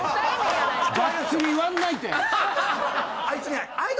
あいつね。